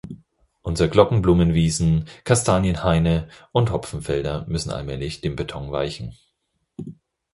Unsere Glockenblumenwiesen, Kastanienhaine und Hopfenfelder müssen allmählich dem Beton weichen.